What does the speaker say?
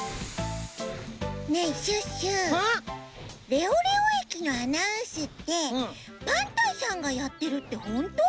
レオレオ駅のアナウンスってパンタンさんがやってるってほんと？